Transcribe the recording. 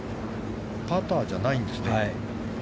パターじゃないんですね。